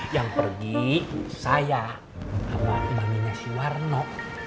yang pergi saya sama baminya si warno